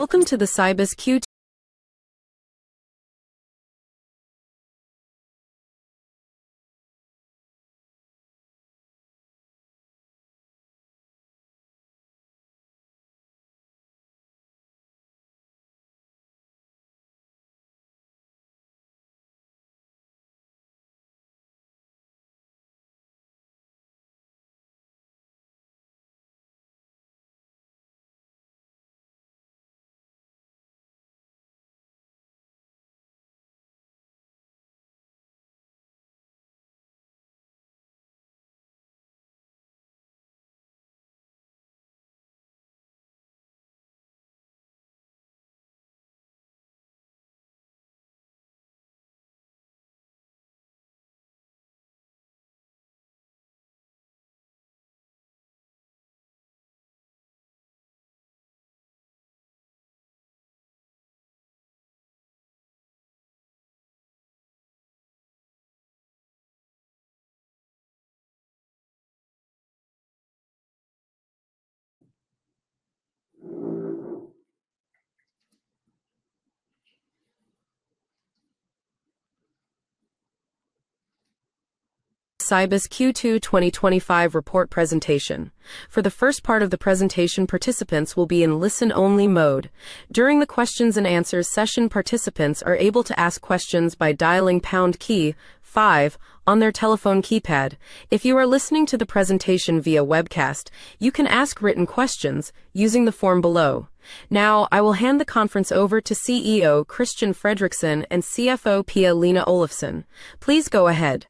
Welcome to the Cibus Q2 2025 Report Presentation. For the first part of the presentation, participants will be in listen-only mode. During the questions-and-answers session, participants are able to ask questions by dialing piound key five on their telephone keypad. If you are listening to the presentation via webcast, you can ask written questions using the form below. Now, I will hand the conference over to CEO Christian Fredrixon and CFO Pia-Lena Olofsson. Please go ahead.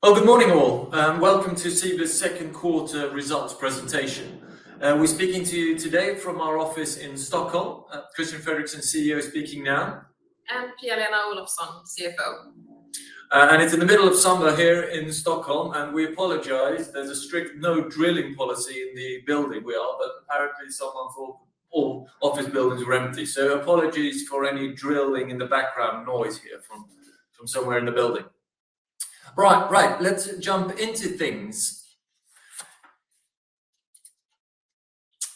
Good morning all. Welcome to Cibus second quarter results presentation. We're speaking to you today from our office in Stockholm. Christian Fredrixon, CEO, speaking now. Pia-Lena Olofsson, CFO. It's in the middle of summer here in Stockholm, and we apologize. There's a strict no-drilling policy in the building, but apparently it's not on for all office buildings or empty, so apologies for any drilling in the background noise here from somewhere in the building. Right, let's jump into things.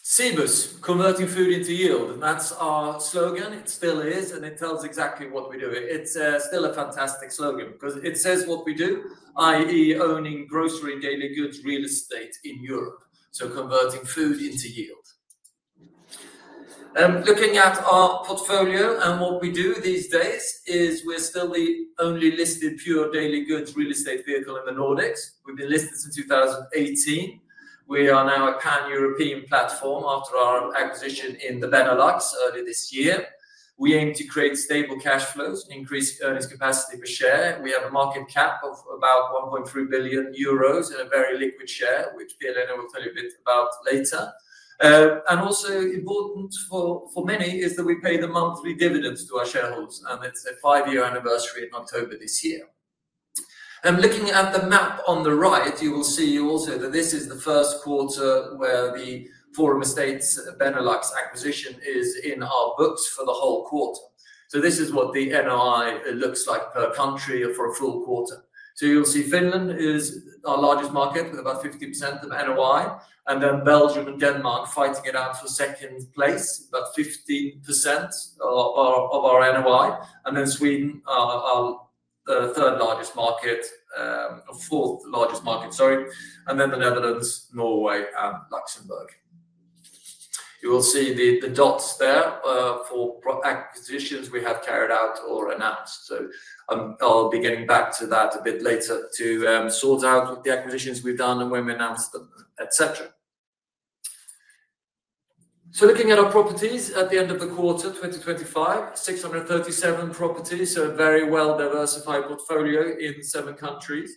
Cibus, converting food into yield, and that's our slogan. It still is, and it tells exactly what we do. It's still a fantastic slogan because it says what we do, i.e., owning grocery and daily goods real estate in Europe. Converting food into yield. Looking at our portfolio and what we do these days is we're still the only listed pure daily goods real estate vehicle in the Nordics. We've been listed since 2018. We are now a pan-European platform after our acquisition in the Benelux earlier this year. We aim to create stable cash flows, increase earnings capacity per share, and we have a market cap of about 1.3 billion euros in a very liquid share, which Pia-Lena will tell you a bit about later. Also important for many is that we pay the monthly dividends to our shareholders, and it's a five-year anniversary in October this year. Looking at the map on the right, you will see also that this is the first quarter where the Forum Estates, Benelux acquisition is in our books for the whole quarter. This is what the NOI looks like per country for a full quarter. You'll see Finland is our largest market with about 50% of NOI, and then Belgium and Denmark fighting it out for second place, about 15% of our NOI, and then Sweden is our fourth largest market, and then the Netherlands, Norway, and Luxembourg. You will see the dots there for acquisitions we have carried out or announced. I'll be getting back to that a bit later to sort out the acquisitions we've done and when we announced them, etc. Looking at our properties at the end of the quarter 2025, 637 properties, so a very well-diversified portfolio in seven countries,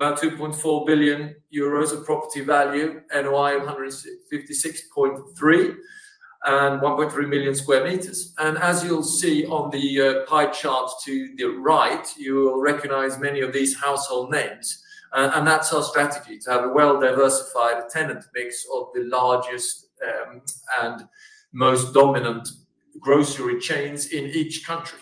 about 2.4 billion euros of property value, NOI of 156.3 million, and 1.3 million square meters. As you'll see on the pie chart to the right, you'll recognize many of these household names, and that tells strategically to have a well-diversified tenant mix of the largest and most dominant grocery chains in each country.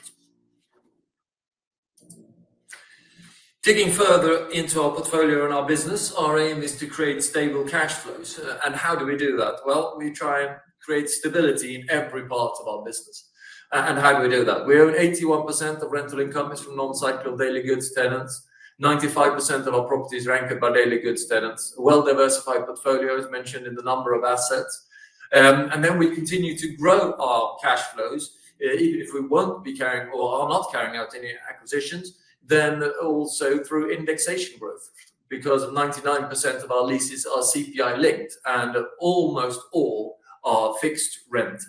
Digging further into our portfolio and our business, our aim is to create stable cash flows. How do we do that? We try and create stability in every part of our business. How do we do that? We own 81% of rental income from non-cyclical daily goods tenants. 95% of our property is rented by daily goods tenants. A well-diversified portfolio is mentioned in the number of assets, and we continue to grow our cash flows. If we won't be carrying or are not carrying out any acquisitions, then also through indexation growth because 99% of our leases are CPI linked and almost all are fixed rent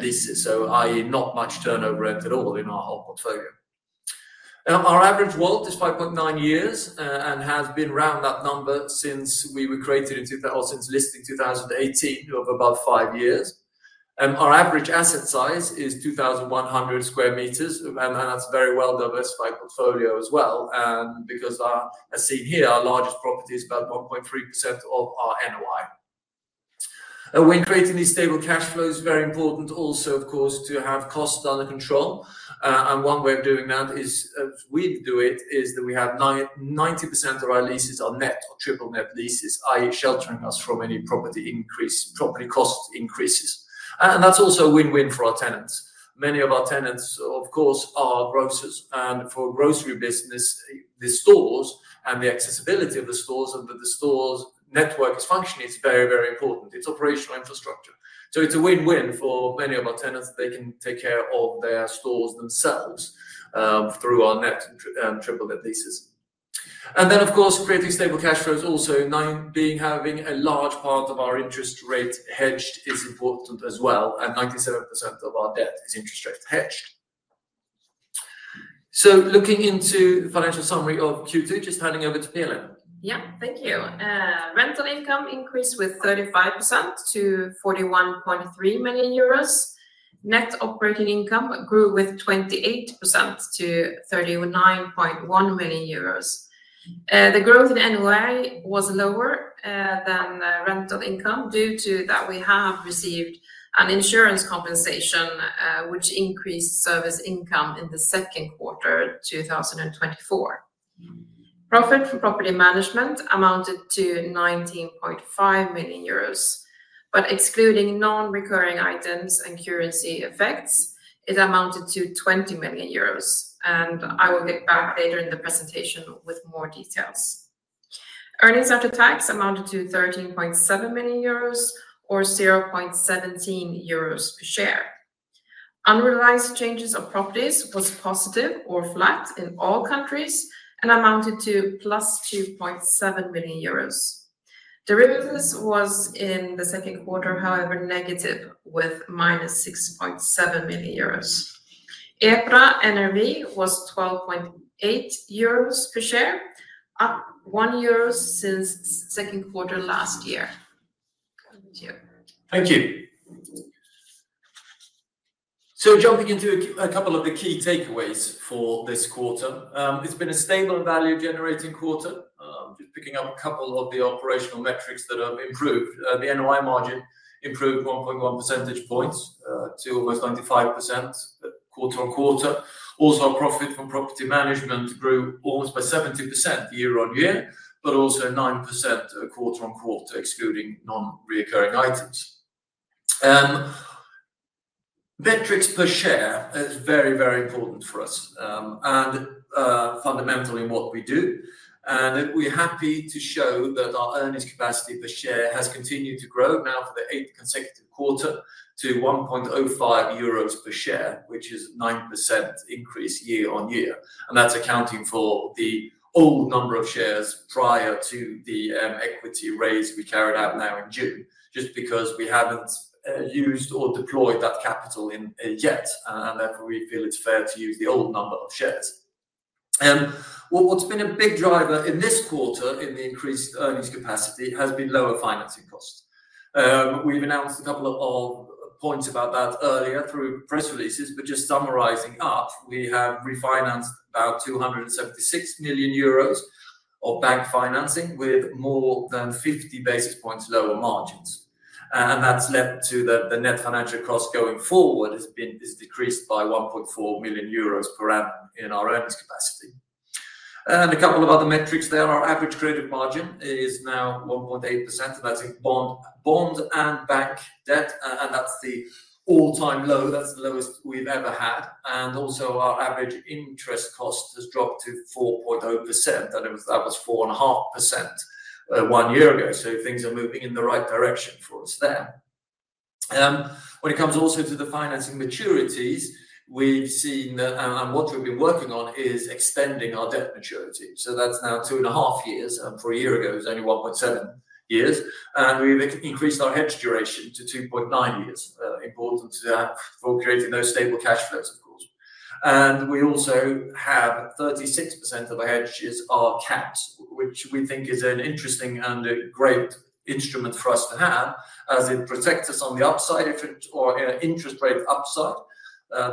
leases, i.e., not much turnover rent at all in our whole portfolio. Our average WAULT is 5.9 years and has been around that number since we were created in 2000, since listing in 2018, of about five years. Our average asset size is 2,100 square meters, and that's a very well-diversified portfolio as well. As seen here, our largest property is about 1.3% of our NOI. When creating these stable cash flows, it's very important also, of course, to have costs under control. One way of doing that is that we have 90% of our leases as net or triple net leases, i.e., sheltering us from any property cost increases. That's also a win-win for our tenants. Many of our tenants, of course, are grocers, and for a grocery business, the stores and the accessibility of the stores and the store's network of function is very, very important. It's operational infrastructure, so it's a win-win for many of our tenants. They can take care of their stores themselves through our net and triple net leases. Creating stable cash flow is also known being having a large part of our interest rate hedged is important as well. 97% of our debt is interest rate hedged. Looking into the financial summary of Q2, just handing over to Pia-Lena. Yeah, thank you. Rental income increased 35% to 41.3 million euros. Net operating income grew 28% to 39.1 million euros. The growth in NOI was lower than rental income due to that we have received an insurance compensation which increased service income in the second quarter of 2024. Profit for property management amounted to 19.5 million euros, excluding non-recurring items and currency effects, it amounted to 20 million euros. I will get back later in the presentation with more details. Earnings after tax amounted to 13.7 million euros or 0.17 euros per share. Unrealized changes or properties were positive or flat in all countries and amounted to +2.7 million euros. Derivatives were in the second quarter, however, negative with -6.7 million euros. EPRA NAV was 12.8 euros per share, up 1 euro since the second quarter last year. Thank you. Jumping into a couple of the key takeaways for this quarter, it's been a stable value-generating quarter. Picking up a couple of the operational metrics that have improved, the NOI margin improved 1.1 percentage points to almost 95% quarter-on-quarter. Also, our profit from property management grew almost by 70% year-on-year, and 9% quarter-on-quarter, excluding non-reoccurring items. Metrics per share are very, very important for us and fundamental in what we do. We're happy to show that our earnings capacity per share has continued to grow now for the eighth consecutive quarter to 1.05 euros per share, which is a 9% increase year on year. That's accounting for the old number of shares prior to the equity raise we carried out now in June, just because we haven't used or deployed that capital yet. Therefore, we feel it's fair to use the old number of shares. What's been a big driver in this quarter in the increased earnings capacity has been lower financing costs. We've announced a couple of points about that earlier through press releases, but just summarizing, we have refinanced about 276 million euros of bank financing with more than 50 basis points lower margins. That's led to the net financial cost going forward being decreased by 1.4 million euros per annum in our earnings capacity. A couple of other metrics there, our average credit margin is now 1.8% of that bond and bank debt. That's the all-time low. That's the lowest we've ever had. Also, our average interest cost has dropped to 4.0%. That was 4.5% one year ago. Things are moving in the right direction for us there. When it comes to the financing maturities, we've seen that our motto we've been working on is extending our debt maturity. That's now 2.5 years, and a year ago, it was only 1.7 years. We've increased our hedge duration to 2.9 years, important for creating those stable cash flows. We also have 36% of our hedges capped, which we think is an interesting and great instrument for us to have, as it protects us on the upside if interest rates rise,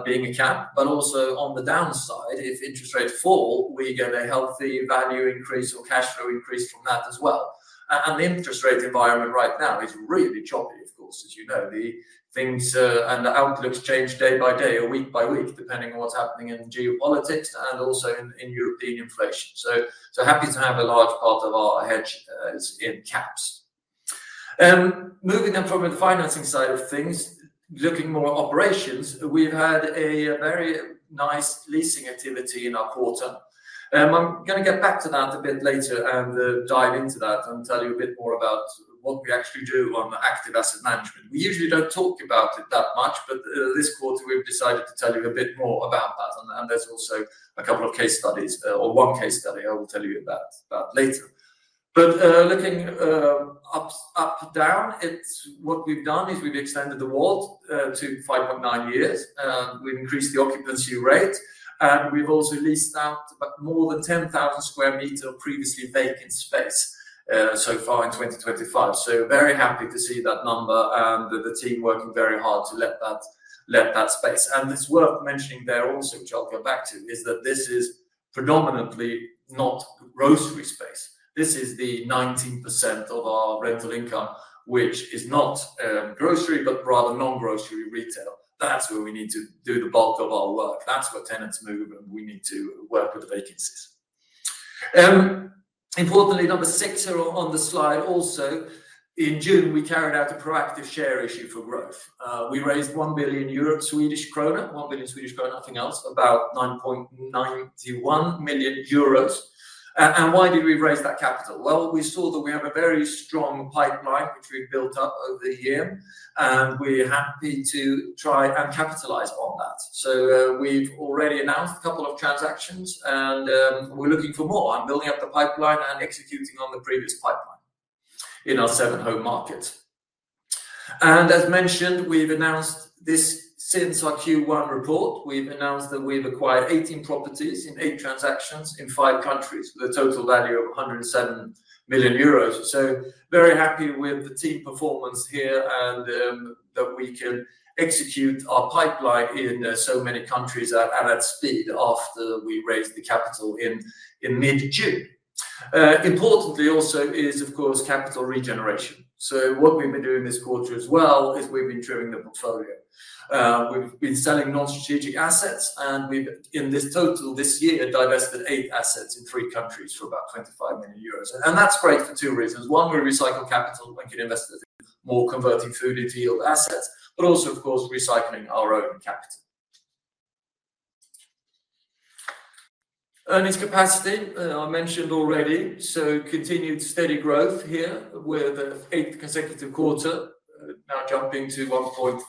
being a cap, but also on the downside if interest rates fall, we get a healthy value increase or cash flow increase from that as well. The interest rate environment right now is really choppy, of course, as you know. The things and the outlooks change day by day or week by week, depending on what's happening in geopolitics and also in European inflation. Happy to have a large part of our hedge in caps. Moving up from the financing side of things, looking more at operations, we've had a very nice leasing activity in our quarter. I'm going to get back to that a bit later and dive into that and tell you a bit more about what we actually do on active asset management. We usually don't talk about it that much, but this quarter we've decided to tell you a bit more about that. There's also a couple of case studies, or one case study I will tell you about later. Looking up and down, what we've done is we've extended the WAULTl to 5.9 years. We've increased the occupancy rate, and we've also leased out more than 10,000 square meters of previously vacant space so far in 2024. We're very happy to see that number and the team working very hard to let that space. It's worth mentioning there, also to jump back to, is that this is predominantly not grocery space. This is the 19% of our rental income, which is not grocery, but rather non-grocery retail. That's where we need to do the bulk of our work. That's where tenants move and we need to work with the vacancies. Importantly, number six on the slide also, in June, we carried out a proactive share issue for growth. We raised SEK 100 million, nothing else, about 9.91 million euros. Why did we raise that capital? We saw that we have a very strong pipeline which we've built up over the year. We're happy to try and capitalize on that. We've already announced a couple of transactions, and we're looking for more and building up the pipeline and executing on the previous pipeline in our seven home markets. As mentioned, we've announced this since our Q1 report. We've announced that we've acquired 18 properties in eight transactions in five countries, with a total value of 107 million euros. Very happy with the team performance here and that we can execute our pipeline in so many countries and at speed after we raised the capital in mid-Q. Importantly also is, of course, capital regeneration. What we've been doing this quarter as well is we've been trimming the portfolio. We've been selling non-strategic assets, and we've, in this total this year, divested eight assets in three countries for about 25 million euros. That's great for two reasons. One, we recycle capital and get invested more converting food into yield assets, but also, of course, recycling our own capital. Earnings capacity, I mentioned already, so continued steady growth here with the eighth consecutive quarter now jumping to 1.5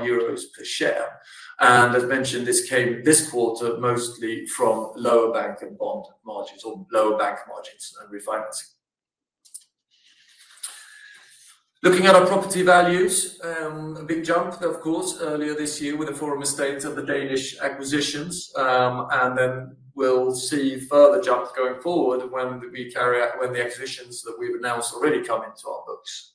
euros per share. As mentioned, this came this quarter mostly from lower bank and bond margins or lower bank margins and refinancing. Looking at our property values, a big jump, of course, earlier this year with the Forum Estates and the Danish acquisitions. We will see further jumps going forward when the acquisitions that we've announced already come into our books.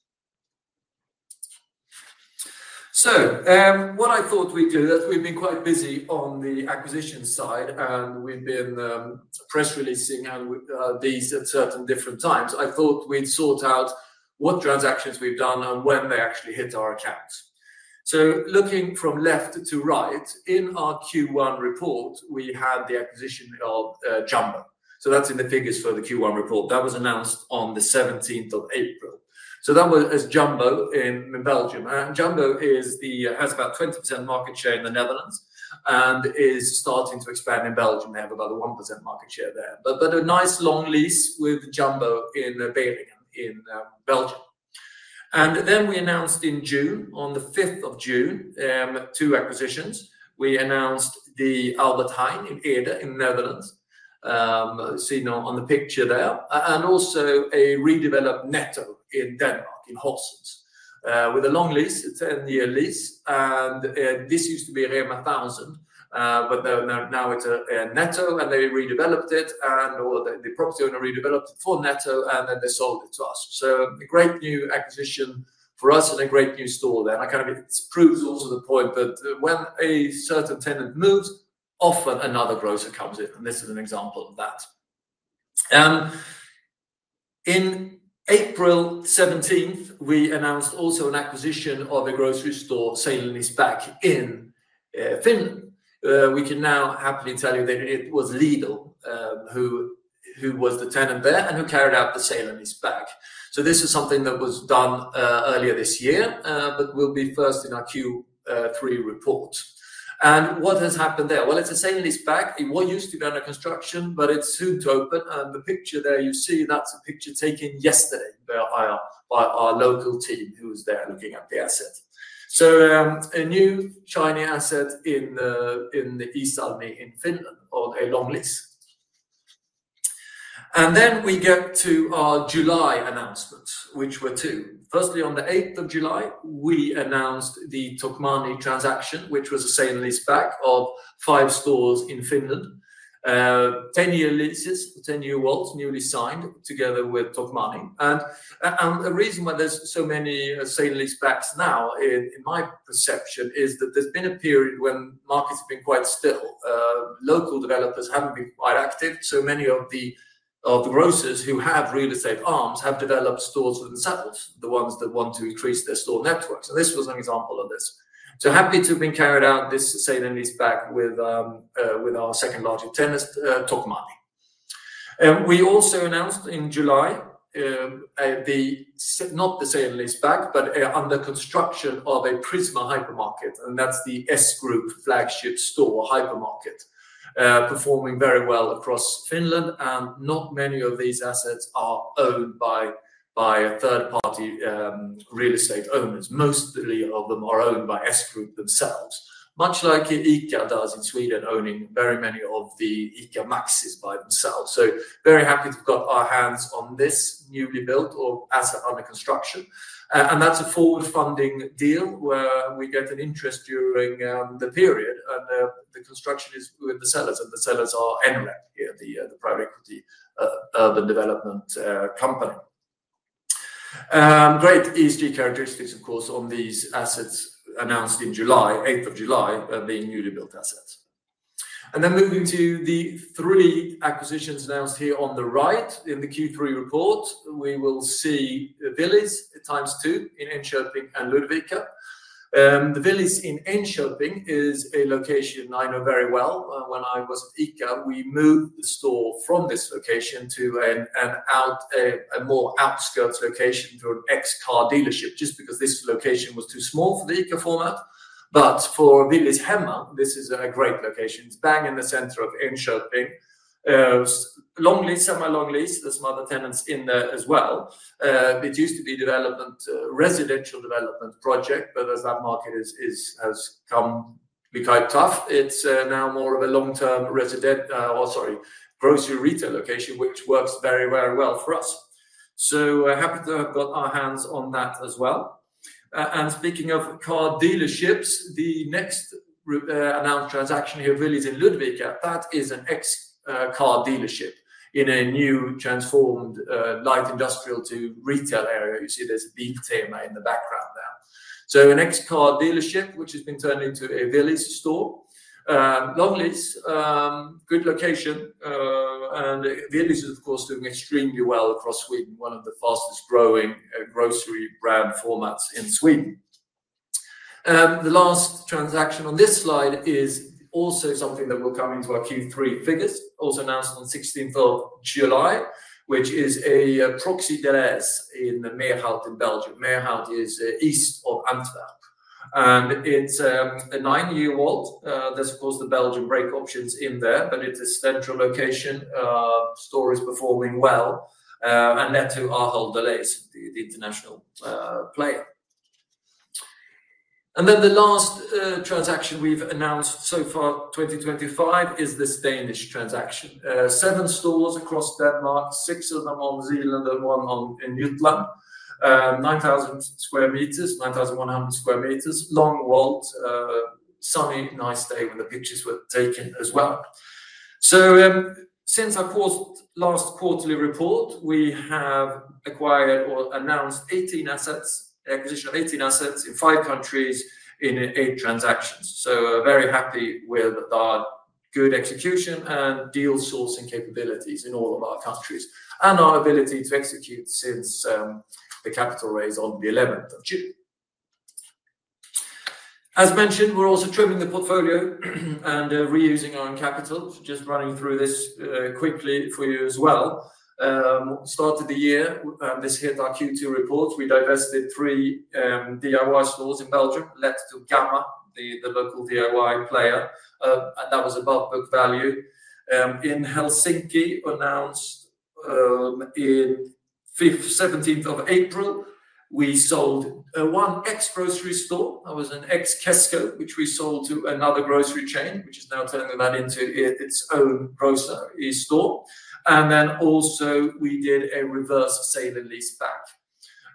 What I thought we'd do, as we've been quite busy on the acquisition side, and we've been press releasing these at certain different times, I thought we'd sort out what transactions we've done and when they actually hit our accounts. Looking from left to right, in our Q1 report, we had the acquisition of Jumbo. That's in the figures for the Q1 report. That was announced on the 17th of April. That was as Jumbo in Belgium. Jumbo has about 20% market share in the Netherlands and is starting to expand in Belgium. They have about a 1% market share there. A nice long lease with Jumbo in Belgium. We announced in June, on the 5th of June, two acquisitions. We announced the Albert Heijn in Ede in the Netherlands, seen on the picture there, and also a redeveloped Netto in Denmark in Horsens, with a long lease, a 10-year lease. This used to be a Rema 1000, but now it's a Netto and they redeveloped it, and the property owner redeveloped it for Netto, and then they sold it to us. A great new acquisition for us and a great new store there. I kind of proved also the point that when a certain tenant moves, often another grocer comes in. This is an example of that. On April 17th, we announced also an acquisition of a grocery store, Sale and Leaseback, in Finland. We can now happily tell you that it was Lidl, who was the tenant there and who carried out the Sale and Leaseback. This is something that was done earlier this year, but will be first in our Q3 report. What has happened there? It's a Sale and Leaseback. It used to be under construction, but it's soon to open. The picture there you see, that's a picture taken yesterday by our local team who's there looking at the asset. A new shiny asset in the East Salmia in Finland on a long lease. We get to our July announcements, which were two. Firstly, on the 8th of July, we announced the Tokmanni transaction, which was a sale and leaseback of five stores in Finland. 10-year leases, 10-year WAULTTs, newly signed together with Tokmanni. The reason why there are so many sale and leasebacks now, in my perception, is that there's been a period when markets have been quite still. Local developers haven't been quite active. Many of the brokers who have real estate arms have developed stores themselves, the ones that want to increase their store networks. This was an example of this. Happy to have carried out this sale and leaseback with our second largest tenant, Tokmanni. We also announced in July not a sale and leaseback, but an under construction of a Prisma Hypermarket. That's the S Group flagship store hypermarket, performing very well across Finland. Not many of these assets are owned by third-party real estate owners. Most of them are owned by S Group themselves, much like ICA does in Sweden, owning very many of the ICA Maxi by themselves. Very happy to put our hands on this newly built or asset under construction. That's a forward funding deal where we get an interest during the period. The construction is with the sellers, and the sellers are Enra, the private equity development company. Great ESG characteristics, of course, on these assets announced in July, 8th of July, and being newly built assets. Moving to the three acquisitions announced here on the right in the Q3 report, we will see Willys x2 in Enköping and Ludvika. The Willys in Enköping is a location I know very well. When I was at ICA, we moved the store from this location to a more upscale location through an ex-car dealership, just because this location was too small for the ICA format. For Willys Hemma, this is a great location. It's bang in the center of Enköping. Long list, semi-long list. There are some other tenants in there as well. It used to be a residential development project, but as that market has become quite tough, it's now more of a long-term grocery retail location, which works very, very well for us. Happy to have got our hands on that as well. Speaking of car dealerships, the next announced transaction here at Willys in Ludvika, that is an ex-car dealership in a new transformed light industrial to retail area. You see this Biltema in the background there. An ex-car dealership which has been turned into a Willys store. Long lease, good location. Willys is, of course, doing extremely well across Sweden, one of the fastest growing grocery brand formats in Sweden. The last transaction on this slide is also something that will come into our Q3 figures, also announced on 16th of July, which is a Proxy Delhaize in Meerhout in Belgium. Meerhout is east of Antwerp. It's a nine-year WAULT. There are, of course, the Belgian break options in there, but it's a central location. Store is performing well. Netto are holding the lease, the international player. The last transaction we've announced so far in 2024 is this Danish transaction. Seven stores across Denmark, six of them are on Zealand and one in Jutland. 9,000 square meters, 9,100 square meters, long WAULTs, sunny, nice day, and the pictures were taken as well. Since our last quarterly report, we have acquired or announced 18 assets, an acquisition of 18 assets in five countries in eight transactions. We're very happy with our good execution and deal sourcing capabilities in all of our countries, and our ability to execute since the capital raise on the 11th of June. As mentioned, we're also trimming the portfolio and reusing our own capital. Just running through this quickly for you as well. Started the year, and this hit our Q2 report. We divested three DIY stores in Belgium, let to Gamma, the DIY player. That was at book value. In Helsinki, announced on the 17th of April, we sold one ex-grocery store. That was an ex-Kesko, which we sold to another grocery chain, which is now turning that into its own grocery store. We also did a reverse sale and lease back.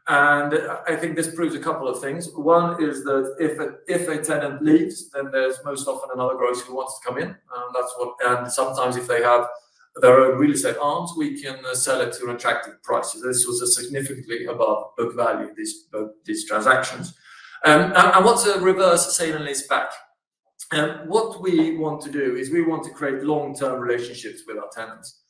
I think this proves a couple of things. One is that if a tenant leaves, then there's most often another grocer who wants to come in. Sometimes if they have their own real estate arms, we can sell it at an attractive price. This was significantly above book value for these transactions. What's a reverse sale and lease back? What we want to do is create long-term relationships with our tenants.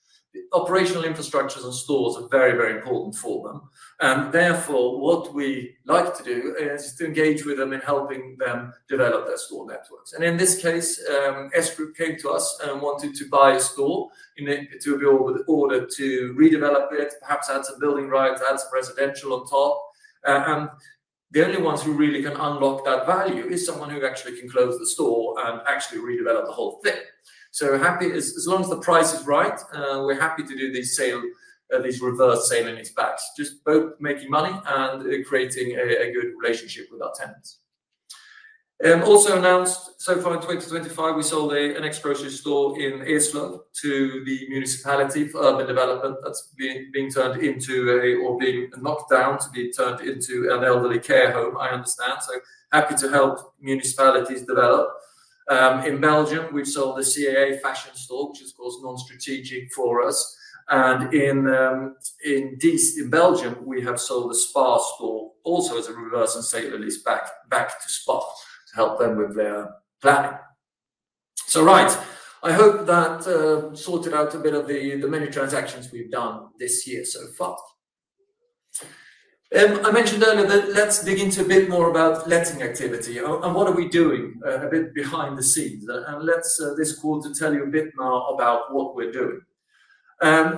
Operational infrastructures and stores are very, very important for them. Therefore, what we like to do is to engage with them in helping them develop their store networks. In this case, S Group came to us and wanted to buy a store in order to redevelop it, perhaps add some building rights, add some residential on top. The only ones who really can unlock that value are those who actually can close the store and redevelop the whole thing. Happy as long as the price is right, we're happy to do these sales, these reverse sale and lease backs, just both making money and creating a good relationship with our tenants. Also announced so far in 2025, we sold an ex-grocery store in Eslöv to the municipality for urban development that's been turned into, or being knocked down to be turned into, an elderly care home, I understand. Happy to help municipalities develop. In Belgium, we've sold a C&A fashion store, which is, of course, non-strategic for us. In Belgium, we have sold a SPAR store also as a reverse and taken the lease back to SPAR, helping them with their planning. I hope that sorted out a bit of the many transactions we've done this year so far. I mentioned earlier, let's dig into a bit more about letting activity and what we are doing a bit behind the scenes. This quarter, I'll tell you a bit now about what we're doing.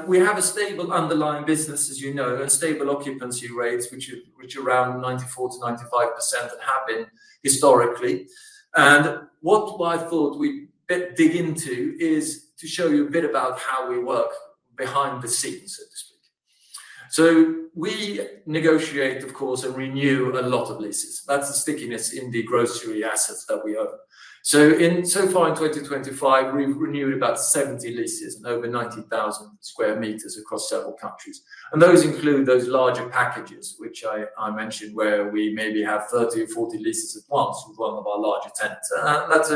We have a stable underlying business, as you know, a stable occupancy rate, which is around 94%-95% and has been historically. What I thought we'd dig into is to show you a bit about how we work behind the scenes. We negotiate, of course, and renew a lot of leases. That's the stickiness in the grocery assets that we own. So far in 2025, we've renewed about 70 leases and over 90,000 square meters across several countries. Those include those larger packages, which I mentioned, where we maybe have 30 or 40 leases at once with one of our larger tenants. That's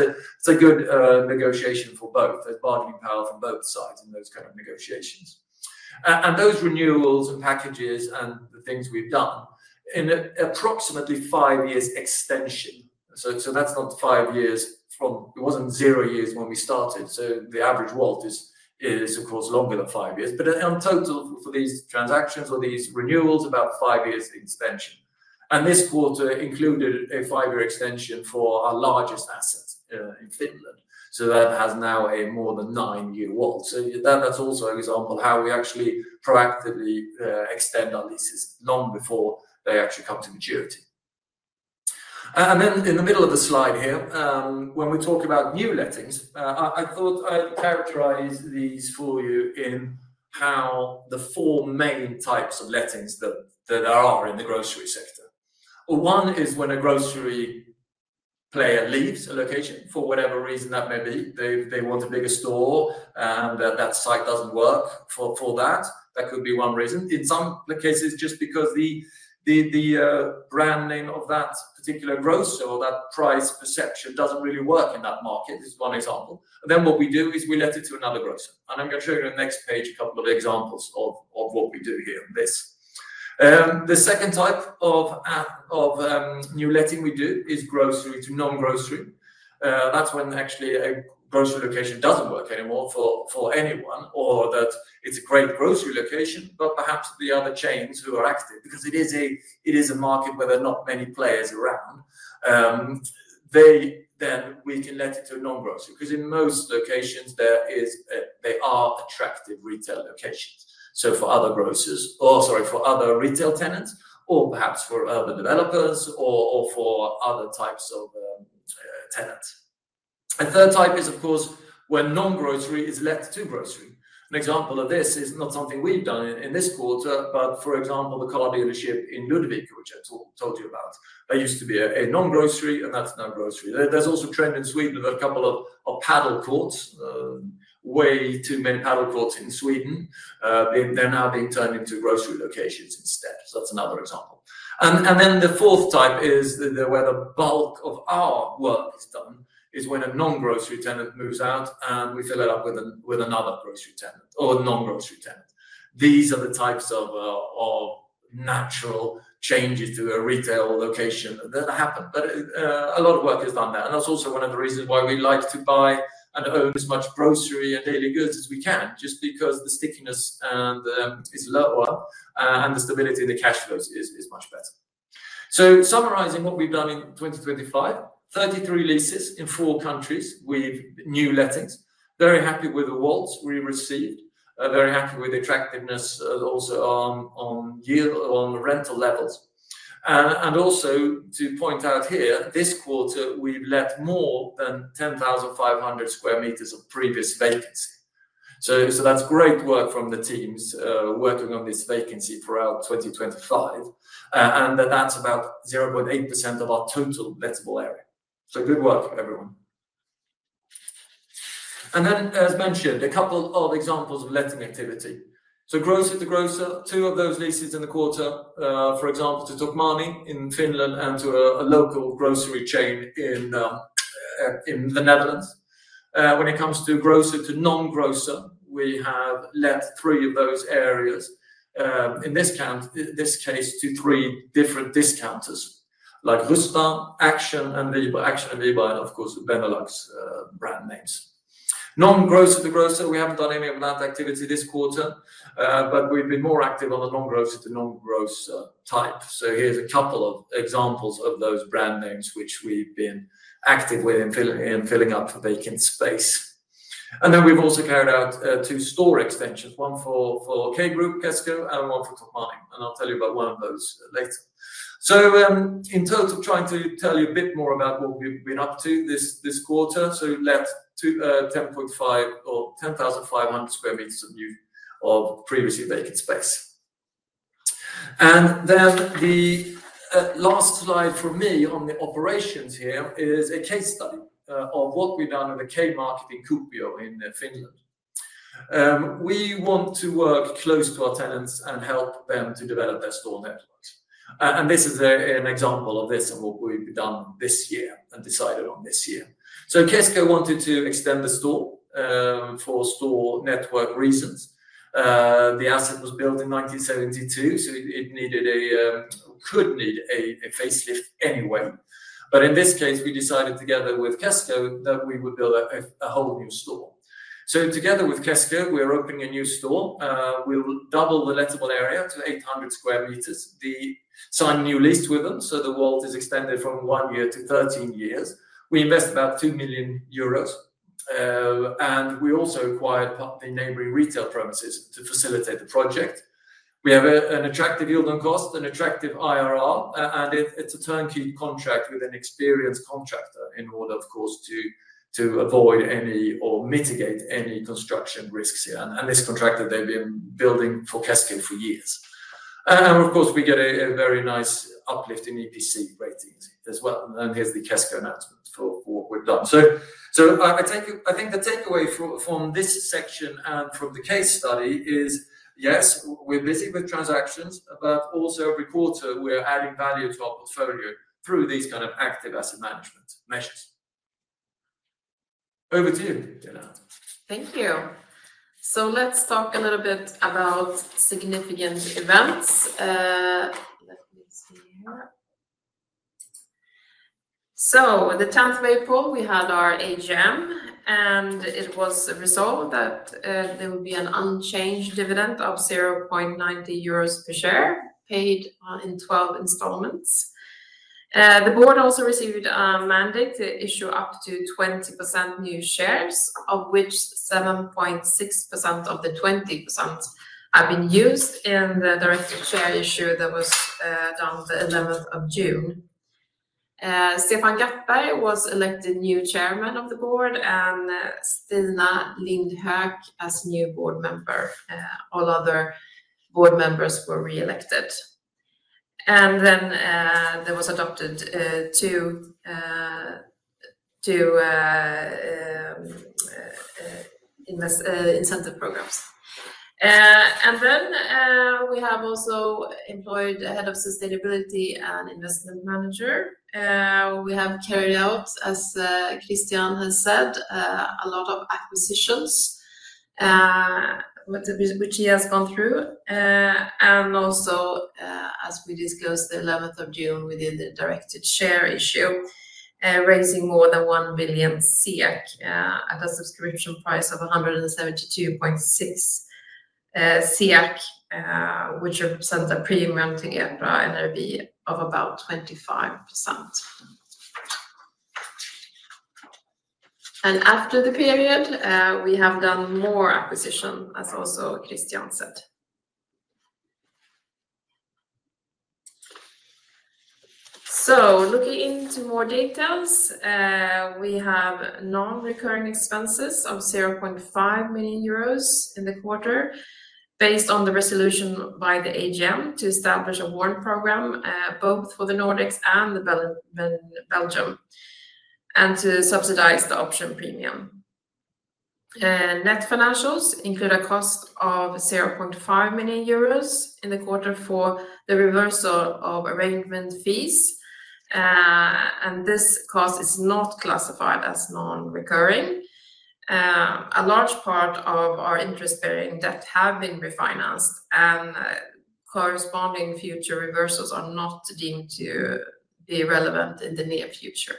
a good negotiation for both, for bargaining power from both sides in those kinds of negotiations. Those reneWAULTs and packages and the things we've done are approximately five years' extension. That's not five years from zero when we started. The average WAULT is, of course, longer than five years. In total, for these transactions or these reneWAULTs, about five years' extension. This quarter included a five-year extension for our largest assets in Finland. That now has a more than nine-year WAULT. That's also an example of how we actually proactively extend our leases long before they actually come to maturity. In the middle of the slide here, when we talk about new lettings, I thought I'd characterize these for you in how the four main types of lettings that there are in the grocery sector. One is when a grocery player leaves a location for whatever reason that may be. They want a bigger store and that site doesn't work for that. That could be one reason. In some cases, just because the branding of that particular grocery or that price perception doesn't really work in that market is one example. What we do is we let it to another grocer. I'm going to show you on the next page a couple of examples of what we do here. The second type of new letting we do is grocery to non-grocery. That's when actually a grocery location doesn't work anymore for anyone or that it's a great grocery location, but perhaps beyond the chains who are active because it is a market where there are not many players around. We can let it to a non-grocery because in most locations, they are attractive retail locations for other retail tenants, or perhaps for urban developers, or for other types of tenants. The third type is, of course, when non-grocery is let to grocery. An example of this is not something we've done in this quarter, but for example, the car dealership in Ludvika, which I told you about, that used to be a non-grocery, and that's a non-grocery. There's also a trend in Sweden with a couple of paddle courts. Way too many paddle courts in Sweden. They're now being turned into grocery locations instead. That's another example. The fourth type is where the bulk of our work is done, when a non-grocery tenant moves out and we fill it up with another grocery tenant or a non-grocery tenant. These are the types of natural changes to a retail location that happen. A lot of work is done there. That's also one of the reasons why we like to buy and own as much grocery and daily goods as we can, just because the stickiness is lower and the stability of the cash flows is much better. Summarizing what we've done in 2025, 33 leases in four countries with new letters. Very happy with the WAULTls we received. Very happy with the attractiveness also on yield on the rental levels. Also to point out here, this quarter we've let more than 10,500 square meters of previous vacancy. That's great work from the teams working on this vacancy throughout 2025. That's about 0.8% of our total lettable area. Good work everyone. As mentioned, a couple of examples of letting activity: grocer to grocer, two of those leases in the quarter, for example, to Tokmanni in Finland and to a local grocery chain in the Netherlands. When it comes to grocer to non-grocer, we have let three of those areas, in this case to three different discounters like Husqvarna, Action, and Vibo, and of course, the Benelux brand names. Non-grocer to grocer, we haven't done any of that activity this quarter, but we've been more active on the non-grocer to non-grocer type. Here are a couple of examples of those brand names which we've been active with in filling up for vacant space. We've also carried out two store extensions, one for K Group, Kesko, and one for Tokmanni. I'll tell you about one of those later. In terms of trying to tell you a bit more about what we've been up to this quarter, we let 10,500 square meters of new or previously vacant space. The last slide for me on the operations here is a case study of what we've done at the K Market in Kuopio in Finland. We want to work close to our tenants and help them to develop their store networks. This is an example of what we've done this year and decided on this year. Kesko wanted to extend the store for store network reasons. The asset was built in 1972, so it could need a facelift anyway. In this case, we decided together with Kesko that we would build a whole new store. Together with Kesko, we're opening a new store. We'll double the lettable area to 800 square meters. We signed a new lease with them, so the WAULTl is extended from one year to 13 years. We invest about 2 million euros. We also acquire part in neighboring retail premises to facilitate the project. We have an attractive yield on cost, an attractive IRR, and it's a turnkey contract with an experienced contractor in order to avoid or mitigate any construction risks here. This contractor has been building for Kesko for years. We get a very nice uplift in EPC ratings as well. Here is the Kesko announcement for what we've done. I think the takeaway from this section and from the case study is, yes, we're busy with transactions, but also every quarter we are adding value to our portfolio through these kind of active asset management measures. Over to you, Pia-Lena. Thank you. Let's talk a little bit about significant events. On the 10th of April, we had our AGM, and it was resolved that there would be an unchanged dividend of 0.90 euros per share paid in 12 installments. The board also received a mandate to issue up to 20% new shares, of which 7.6% of the 20% have been used in the directed share issue that was done on the 11th of June. Stefan Gattberg was elected new Chairman of the Board and Stina Lindh Hök as new board member. All other board members were re-elected. There were also two incentive programs adopted. We have also employed a Head of Sustainability and Investment Manager. We have carried out, as Christian has said, a lot of acquisitions, which he has gone through. As we disclosed on the 11th of June, we did a directed share issue, raising more than 1 billion at a subscription price of 172.6, which represents a premium to EBITDA NAV of about 25%. After the period, we have done more acquisitions, as also Christian said. Looking into more details, we have non-recurring expenses of 0.5 million euros in the quarter based on the resolution by the AGM to establish a warrant program both for the Nordics and Belgium and to subsidize the option premium. Net financials include a cost of 0.5 million euros in the quarter for the reversal of arrangement fees. This cost is not classified as non-recurring. A large part of our interest-bearing debt has been refinanced, and corresponding future reversals are not deemed to be relevant in the near future.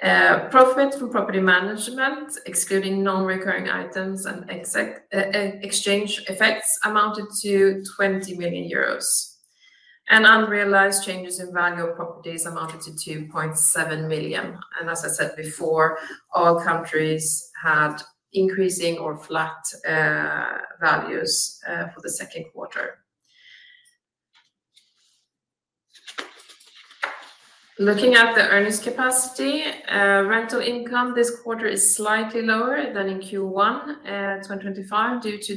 Profits from property management, excluding non-recurring items and exchange effects, amounted to 20 million euros. Unrealized changes in value of properties amounted to 2.7 million. As I said before, all countries had increasing or flat values for the second quarter. Looking at the earnings capacity, rental income this quarter is slightly lower than in Q1 2025 due to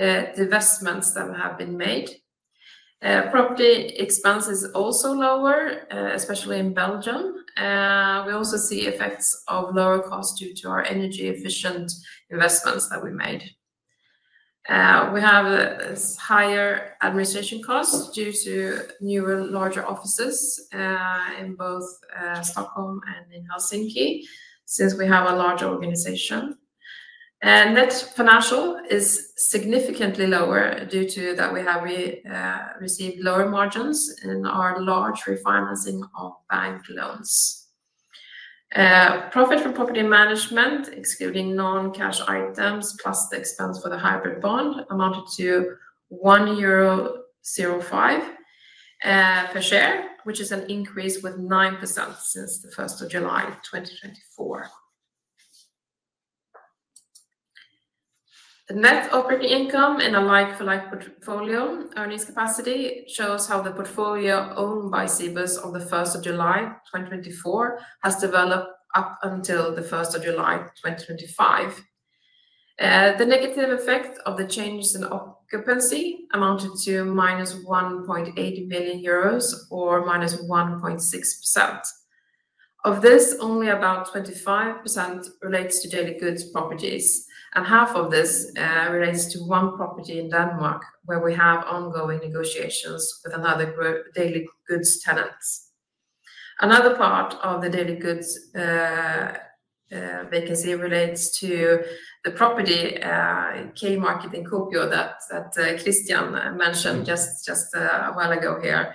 the investments that have been made. Property expense is also lower, especially in Belgium. We also see effects of lower costs due to our energy-efficient investments that we made. We have higher administration costs due to newer, larger offices in both Stockholm and in Helsinki, since we have a larger organization. Net financial is significantly lower due to that we have received lower margins in our large refinancing of bank loans. Profit from property management, excluding non-cash items, plus the expense for the hybrid bond, amounted to 1.05 euro per share, which is an increase of 9% since the 1st of July, 2024. Net operating income in a like-for-like portfolio earnings capacity shows how the portfolio owned by Cibus on the 1st of July 2024, has developed up until the 1st of July 2025. The negative effect of the changes in occupancy amounted to -€1.8 million or -1.6%. Of this, only about 25% relates to daily goods properties. Half of this relates to one property in Denmark where we have ongoing negotiations with another daily goods tenant. Another part of the daily goods vacancy relates to the property K Market in Kuopio that Christian mentioned just a while ago here,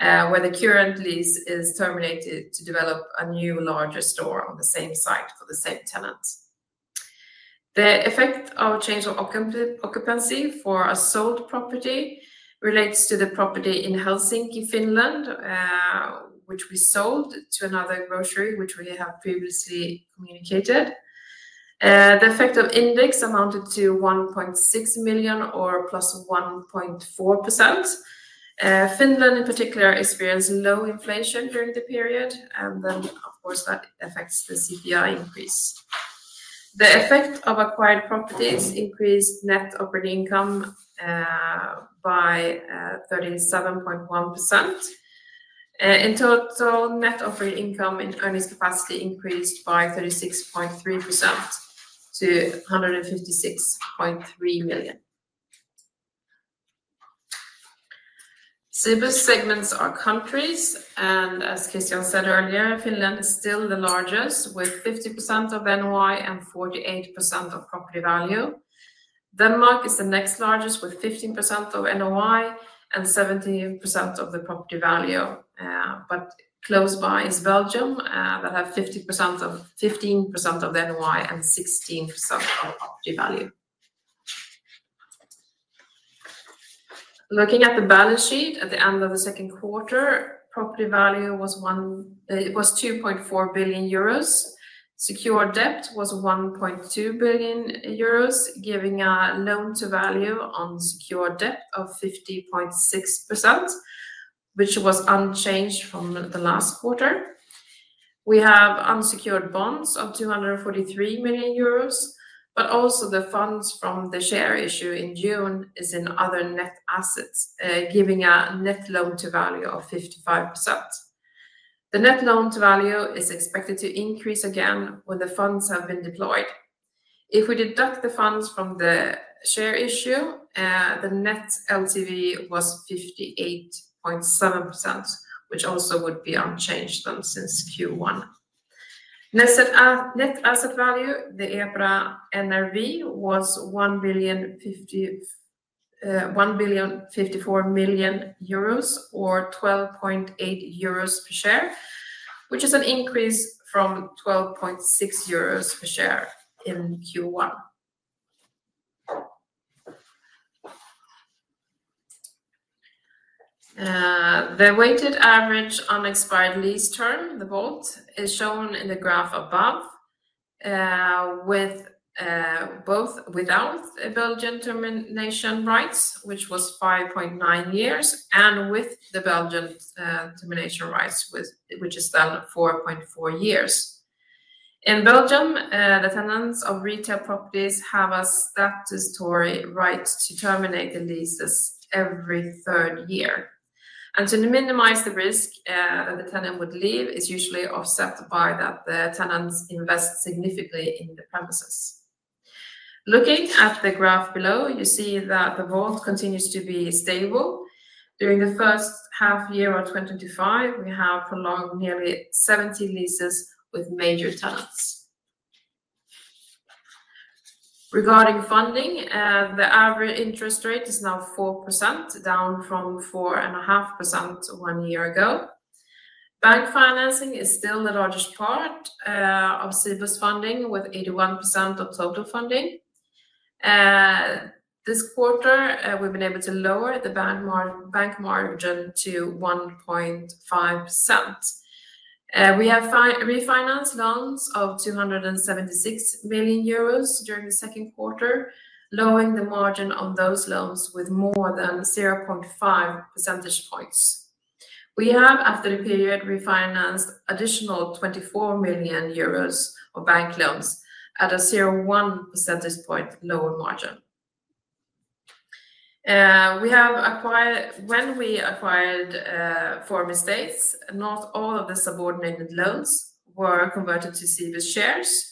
where the current lease is terminated to develop a new larger store on the same site for the same tenant. The effect of change of occupancy for a sold property relates to the property in Helsinki, Finland, which we sold to another grocery, which we have previously communicated. The effect of index amounted to 1.6 million or +1.4%. Finland, in particular, experienced low inflation during the period, and of course, that affects the CPI increase. The effect of acquired properties increased net operating income by 37.1%. In total, net operating income in earnings capacity increased by 36.3% to EUR 156.3 million. Cibus segments are countries, and as Christian said earlier, Finland is still the largest with 50% of net operating income and 48% of property value. Denmark is the next largest with 15% of net operating income and 17% of the property value. Close by is Belgium, which has 15% of net operating income and 16% of property value. Looking at the balance sheet at the end of the second quarter, property value was 2.4 billion euros. Secured debt was 1.2 billion euros, giving a loan-to-value on secured debt of 50.6%, which was unchanged from the last quarter. We have unsecured bonds of 243 million euros, and the funds from the share issue in June are in other net assets, giving a net loan-to-value of 55%. The net loan-to-value is expected to increase again when the funds have been deployed. If we deduct the funds from the share issue, the net LTV was 58.7%, which also would be unchanged since Q1. Net asset value, the EPRA NAV, was 1.54 billion or 12.8 euros per share, which is an increase from 12.6 euros per share in Q1. The weighted average unexpired lease term in the vault is shown in the graph above, with both without Belgian termination rights, which was 5.9 years, and with the Belgian termination rights, which is now at 4.4 years. In Belgium, the tenants of retail properties have a statutory right to terminate the leases every third year. To minimize the risk that the tenant would leave, it's usually offset by that the tenants invest significantly in the premises. Looking at the graph below, you see that the vault continues to be stable. During the first half year of 2025, we have prolonged nearly 70 leases with major tenants. Regarding funding, the average interest rate is now 4%, down from 4.5% one year ago. Bank financing is still the largest part of Cibus funding, with 81% of total funding. This quarter, we've been able to lower the bank margin to 1.5%. We have refinanced loans of 276 million euros during the second quarter, lowering the margin on those loans with more than 0.5 percentage points. We have, after the period, refinanced additional 24 million euros of bank loans at a 0.1 percentage point lower margin. When we acquired Forum Estates, not all of the subordinated loans were converted to Cibus shares.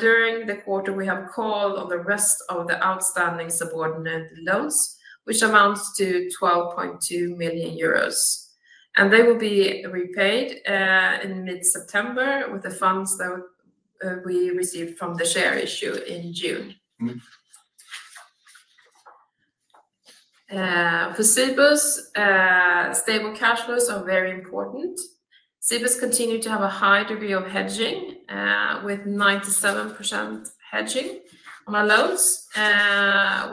During the quarter, we have called on the rest of the outstanding subordinated loans, which amount to 12.2 million euros. They will be repaid in mid-September with the funds that we received from the share issue in June. For Cibus, stable cash flows are very important. Cibus continues to have a high degree of hedging, with 97% hedging on our loans.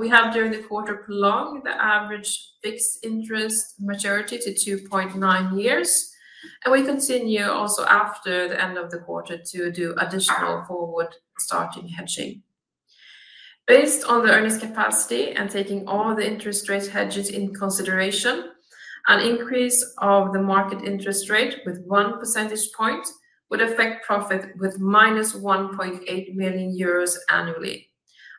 We have, during the quarter, prolonged the average fixed interest maturity to 2.9 years. We continue also after the end of the quarter to do additional forward starting hedging. Based on the earnings capacity and taking all the interest rate hedges in consideration, an increase of the market interest rate with one percentage point would affect profit with minus 1.8 million euros annually.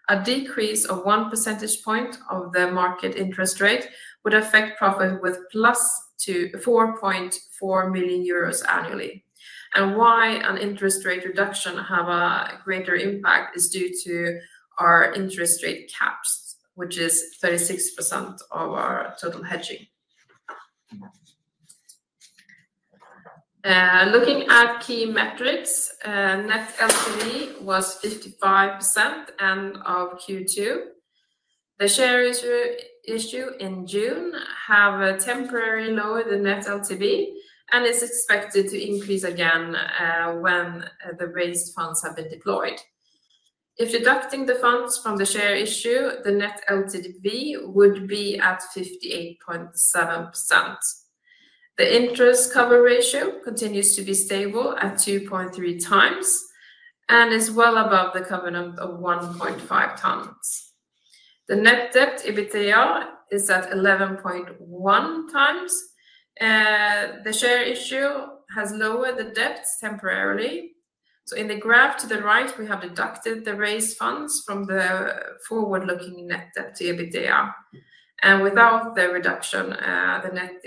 A decrease of one percentage point of the market interest rate would affect profit with plus 4.4 million euros annually. The reason an interest rate reduction has a greater impact is due to our interest rate caps, which is 36% of our total hedging. Looking at key metrics, net LTV was 55% end of Q2. The share issue in June had a temporary lower in the net LTV and is expected to increase again when the raised funds have been deployed. If deducting the funds from the share issue, the net LTV would be at 58.7%. The interest coverage ratio continues to be stable at 2.3 times and is well above the covenant of 1.5 times. The net debt to EBITDA is at 11.1 times. The share issue has lowered the debt temporarily. In the graph to the right, we have deducted the raised funds from the forward-looking net debt to EBITDA. Without the reduction, the net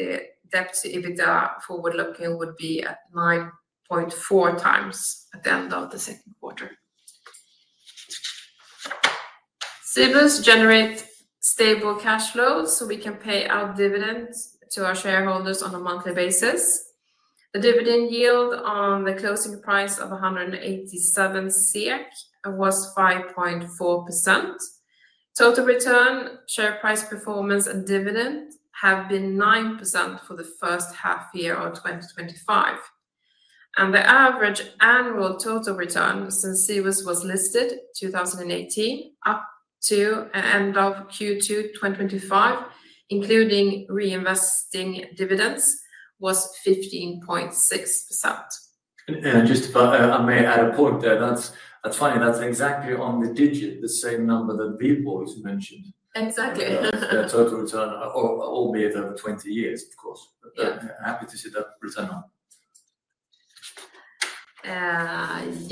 debt to EBITDA forward-looking would be at 9.4 times at the end of the second quarter. Cibus generates stable cash flows so we can pay out dividends to our shareholders on a monthly basis. The dividend yield on the closing price of 187 was 5.4%. Total return, share price performance, and dividend have been 9% for the first half year of 2025. The average annual total return since Cibus was listed in 2018 to the end of Q2 2025, including reinvesting dividends, was 15.6%. If I may add a point there, that's funny, that's exactly on the digit, the same number that Christian Fredrixon mentioned. Exactly. The total return, albeit over 20 years, of course. Happy to see that return now.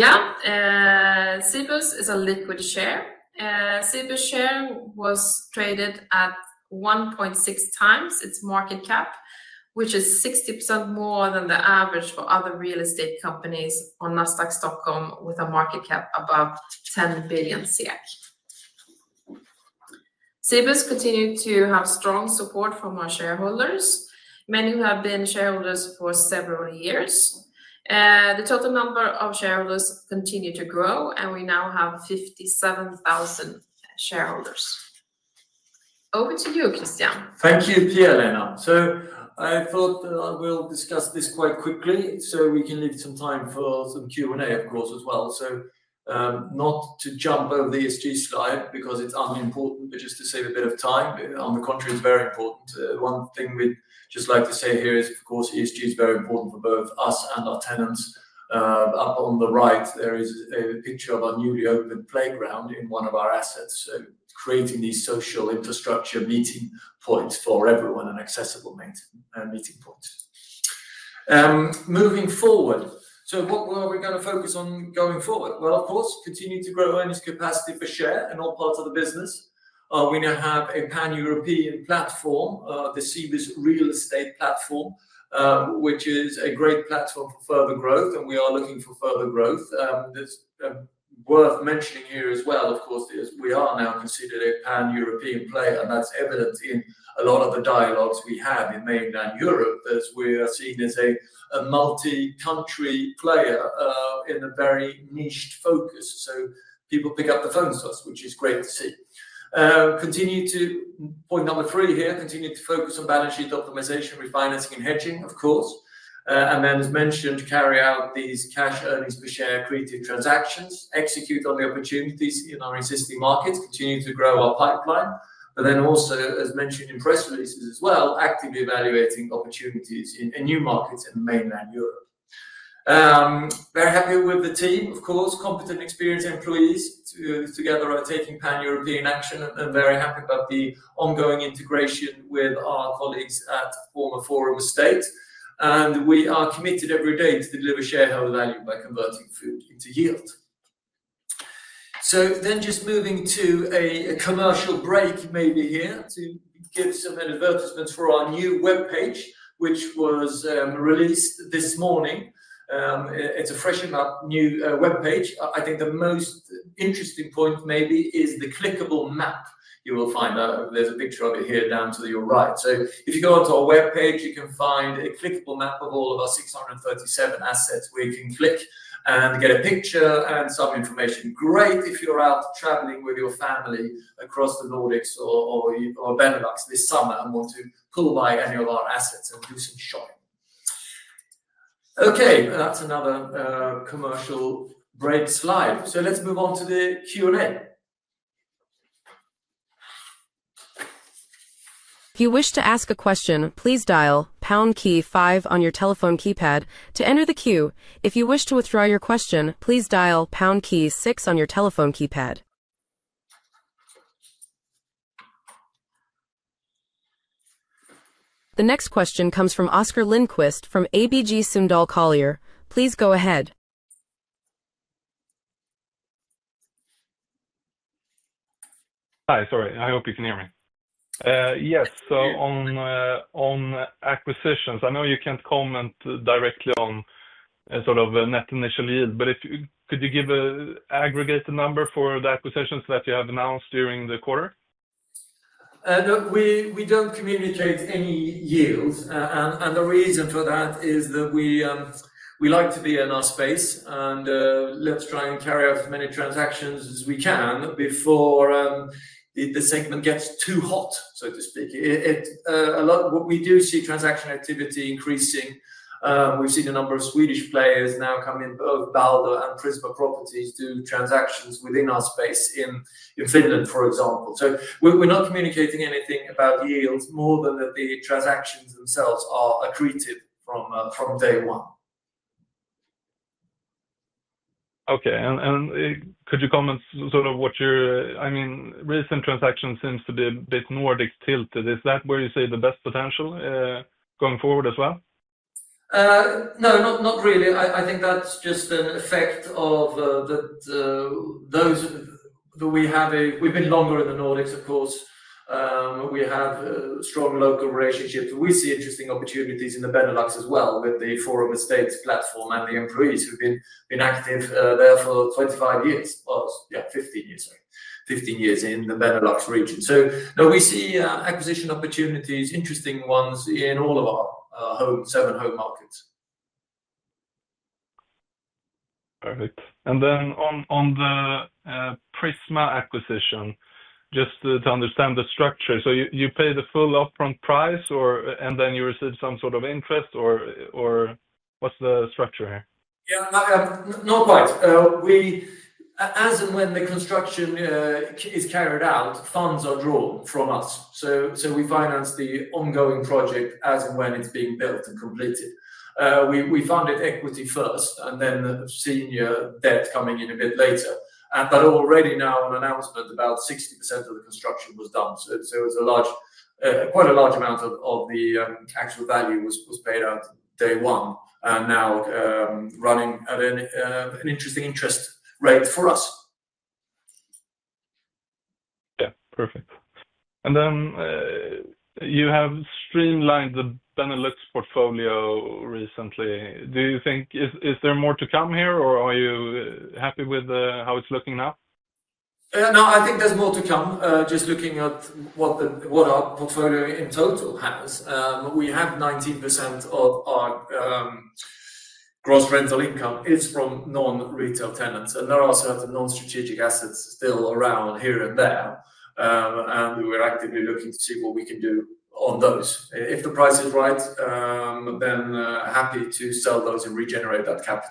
Yeah, Cibus is a liquid share. Cibus share was traded at 1.6 times its market cap, which is 60% more than the average for other real estate companies on Nasdaq Stockholm with a market cap above 10 billion. Cibus continues to have strong support from our shareholders, many who have been shareholders for several years. The total number of shareholders continues to grow, and we now have 57,000 shareholders. Over to you, Christian. Thank you, Pia-Lena. I thought that I will discuss this quite quickly so we can leave some time for some Q&A, of course, as well. Not to jump over the ESG slide because it's unimportant, but just to save a bit of time. On the contrary, it's very important. One thing we'd just like to say here is, of course, ESG is very important for both us and our tenants. On the right, there is a picture of a newly opened playground in one of our assets. Creating these social infrastructure meeting points for everyone and accessible meeting points. Moving forward, what are we going to focus on going forward? Of course, continue to grow earnings capacity per share and all parts of the business. We now have a pan-European platform, the Cibus Real Estate platform, which is a great platform for further growth, and we are looking for further growth. It's worth mentioning here as well, of course, we are now considered a pan-European player, and that's evident in a lot of the dialogues we have in mainland Europe that we are seen as a multi-country player in a very niched focus. People pick up the phones to us, which is great to see. Continue to point number three here, continue to focus on balance sheet optimization, refinancing, and hedging, of course. As mentioned, carry out these cash earnings per share created transactions, execute on the opportunities in our existing markets, continue to grow our pipeline, but also, as mentioned in press releases as well, actively evaluating opportunities in new markets in mainland Europe. Very happy with the team, of course, competent experienced employees, together taking pan-European action, and very happy about the ongoing integration with our colleagues at former Forum Estates. We are committed every day to deliver shareholder value by converting food into yield. Just moving to a commercial break maybe here to give some advertisements for our new webpage, which was released this morning. It's a fresh enough new webpage. I think the most interesting point maybe is the clickable map you will find. There's a picture of it here down to your right. If you go onto our webpage, you can find a clickable map of all of our 637 assets where you can click and get a picture and some information. Great if you're out traveling with your family across the Nordics or Benelux this summer and want to call by any of our assets, including Shoi. Okay, that's another commercial break slide. Let's move on to the Q&A. If you wish to ask a question, please dial pound key five on your telephone keypad to enter the queue. If you wish to withdraw your question, please dial pound key six on your telephone keypad. The next question comes from Oscar Lindquist from ABG Sundal Collier. Please go ahead. Hi, sorry, I hope you can hear me. Yes, on acquisitions, I know you can't comment directly on a sort of net initial yield, but could you give an aggregated number for the acquisitions that you have announced during the quarter? We don't communicate any yield, and the reason for that is that we like to be in our space and let's try and carry out as many transactions as we can before the segment gets too hot, so to speak. What we do see is transaction activity increasing. We've seen a number of Swedish players now come in, both Balder and Prisma Properties, do transactions within our space in Finland, for example. We're not communicating anything about yields more than that the transactions themselves are accretive from day one. Okay, could you comment sort of what your, I mean, recent transaction seems to be a bit Nordic tilted. Is that where you see the best potential going forward as well? No, not really. I think that's just an effect of those that we have. We've been longer in the Nordics, of course. We have strong local relationships. We see interesting opportunities in the Benelux as well with the Forum Estates platform and the employees who've been active there for 25 years, or 15 years, 15 years in the Benelux routine. We see acquisition opportunities, interesting ones in all of our seven home markets. Perfect. On the Prisma acquisition, just to understand the structure, you pay the full upfront price and then you receive some sort of interest or what's the structure here? Yeah, no point. As and when the construction is carried out, funds are drawn from us. We finance the ongoing project as and when it's being built and completed. We fund it equity first, then see debt coming in a bit later. Already now on announcement, about 60% of the construction was done. It was a large, quite a large amount of the actual value was paid out day one, now running at an interesting interest range for us. Yeah, perfect. You have streamlined the Benelux portfolio recently. Do you think there is more to come here, or are you happy with how it's looking now? No, I think there's more to come. Just looking at what our portfolio in total has, we have 19% of our gross rental income is from non-retail tenants. There are certain non-strategic assets still around here and there. We're actively looking to see what we can do on those. If the price is right, then happy to sell those and regenerate that capital.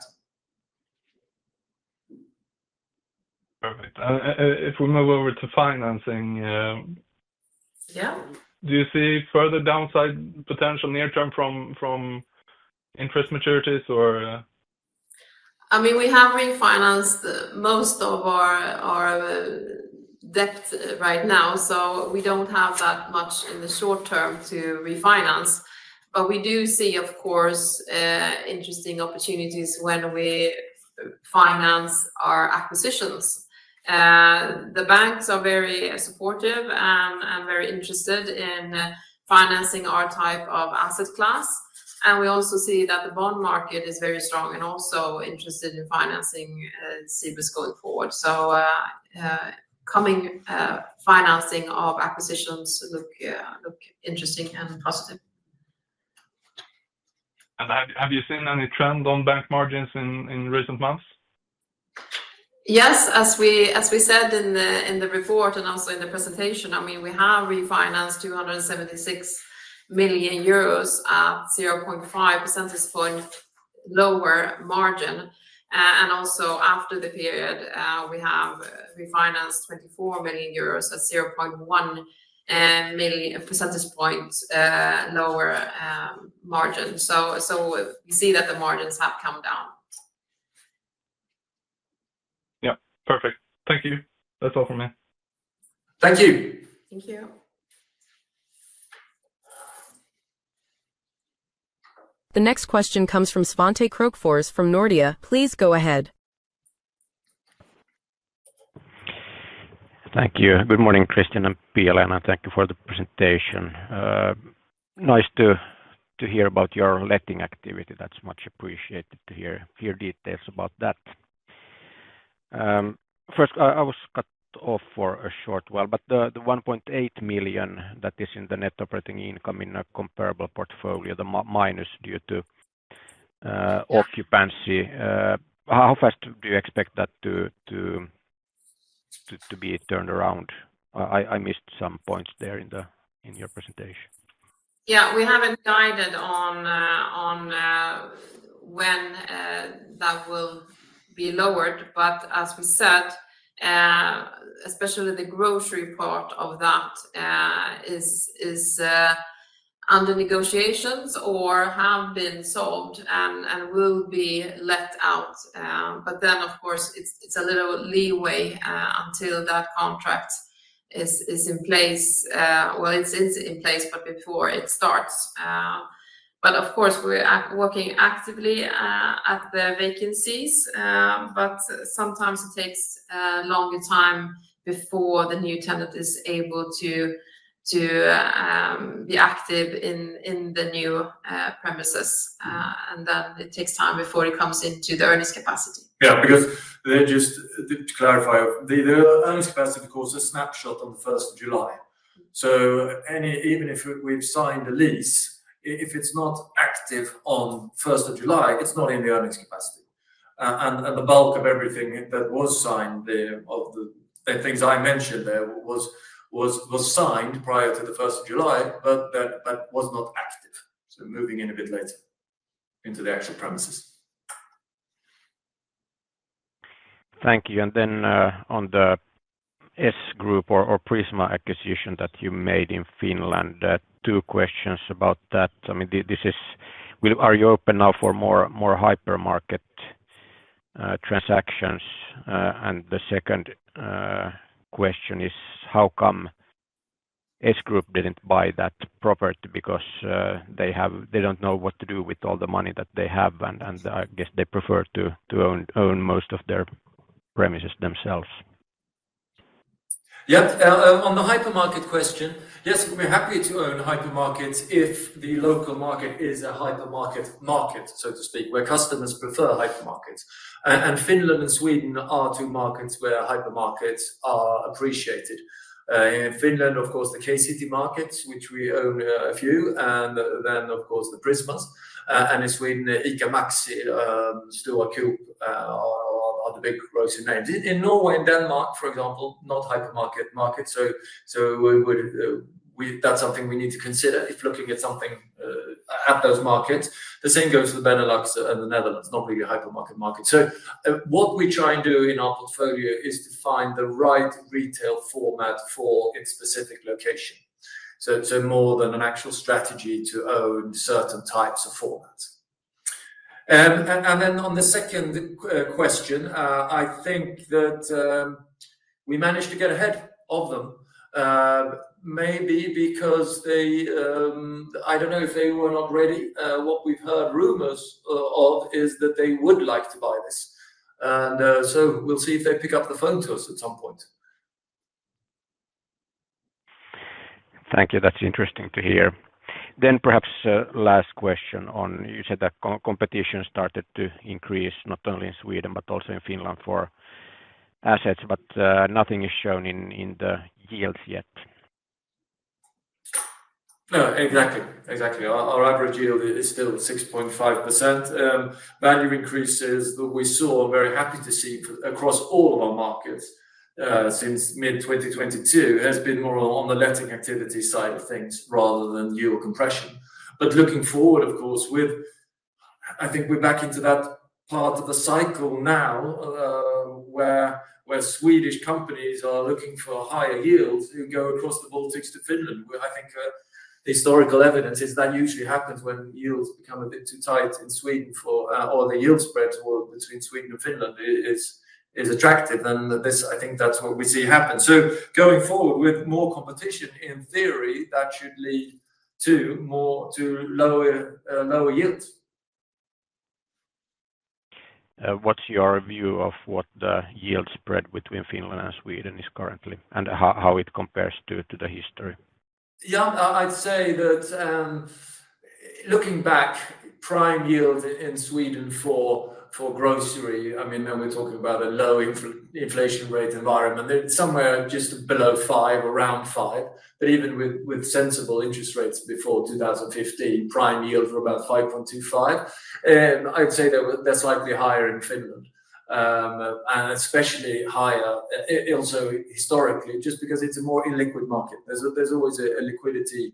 Perfect. If we move over to financing, do you see further downside potential near term from interest maturities? I mean, we have refinanced most of our debt right now, so we don't have that much in the short term to refinance. We do see, of course, interesting opportunities when we finance our acquisitions. The banks are very supportive and very interested in financing our type of asset class. We also see that the bond market is very strong and also interested in financing Cibus going forward. Coming financing of acquisitions looks interesting and positive. Have you seen any trend on bank margins in recent months? Yes, as we said in the report and also in the presentation, I mean, we have refinanced 276 million euros at 0.5% lower margin. Also, after the period, we have refinanced EUR 24 million at 0.1% lower margin. We see that the margins have come down. Yeah, perfect. Thank you. That's all from me. Thank you. Thank you. The next question comes from Svante Krokfors from Nordea. Please go ahead. Thank you. Good morning, Christian and Pia-Lena. Thank you for the presentation. Nice to hear about your letting activity. That's much appreciated to hear details about that. First, I was cut off for a short while, but the 1.8 million that is in the net operating income in a comparable portfolio, the minus due to occupancy, how fast do you expect that to be turned around? I missed some points there in your presentation. Yeah, we haven't guided on when that will be lowered, but as we said, especially the grocery part of that is under negotiations or have been solved and will be let out. Of course, it's a little leeway until that contract is in place. It's in place, but before it starts. Of course, we're working actively at the vacancies, but sometimes it takes a longer time before the new tenant is able to be active in the new premises, and then it takes time before it comes into the earnings capacity. Yeah, I guess just to clarify, the earnings capacity, of course, is a snapshot on the 1st of July. Even if we've signed the lease, if it's not active on 1st of July, it's not in the earnings capacity. The bulk of everything that was signed, the things I mentioned there, was signed prior to the 1st of July, but then was not active, moving in a bit later into the actual premises. Thank you. On the S Group or Prisma acquisition that you made in Finland, two questions about that. Is this, are you open now for more hypermarket transactions? The second question is, how come S Group didn't buy that property? Because they don't know what to do with all the money that they have, and I guess they prefer to own most of their premises themselves. Yeah, on the hypermarket question, yes, we're happy to own hypermarkets if the local market is a hypermarket market, so to speak, where customers prefer hypermarkets. Finland and Sweden are two markets where hypermarkets are appreciated. In Finland, of course, the K-City markets, which we own a few, and then, of course, the Prismas. In Sweden, ICA Maxi, Stora Kåpa, are the big grocery names. In Norway and Denmark, for example, not hypermarket markets. That's something we need to consider if looking at something at those markets. The same goes for the Benelux and the Netherlands, not really a hypermarket market. What we try and do in our portfolio is to find the right retail format for its specific location. It's more than an actual strategy to own certain types of formats. On the second question, I think that we managed to get ahead of them, maybe because they, I don't know if they were not ready. What we've heard rumors of is that they would like to buy this. We'll see if they pick up the phone to us at some point. Thank you. That's interesting to hear. Perhaps last question on, you said that competition started to increase not only in Sweden, but also in Finland for assets, but nothing is shown in the yields yet. No, exactly. Exactly. Our average yield is still 6.5%. Value increases that we saw, we're very happy to see across all of our markets since mid-2022. It has been more on the letting activity side of things rather than yield compression. Looking forward, of course, I think we're back into that part of the cycle now where Swedish companies are looking for higher yields to go across the Baltics to Finland. I think the historical evidence is that usually happens when yields become a bit too tight in Sweden for the yield spread between Sweden and Finland is attractive. I think that's what we see happen. Going forward with more competition, in theory, that should lead to lower yield. What's your view of what the yield spread between Finland and Sweden is currently, and how it compares to the history? Yeah, I'd say that looking back, prime yield in Sweden for grocery, I mean, then we're talking about a low inflation rate environment, somewhere just below 5%, around 5%. Even with sensible interest rates before 2015, prime yields were about 5.25%. I'd say they're slightly higher in Finland, and especially higher also historically, just because it's a more illiquid market. There's always a liquidity